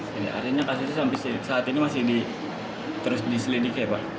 jadi artinya kasusnya sampai saat ini masih terus diselidiki ya pak